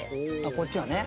こっちはね。